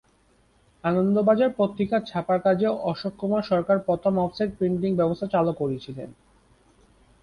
আনন্দবাজার পত্রিকা ছাপার কাজে অশোক কুমার সরকার প্রথম অফসেট প্রিন্টিং ব্যবস্থা চালু করেছিলেন।